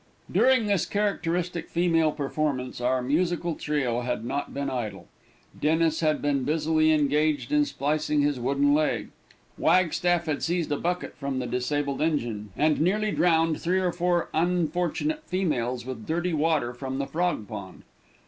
During this characteristic female performance, our musical trio had not been idle. Dennis had been busily engaged in splicing his wooden leg. Wagstaff had seized a bucket from the disabled engine, and nearly drowned three or four unfortunate females with dirty water from the frog pond.